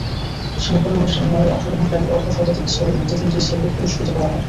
সমাপনী অনুষ্ঠানে মেলায় অংশগ্রহণকারী অর্ধশতাধিক স্টলের মধ্যে তিনটি স্টলকে পুরস্কৃত করা হয়।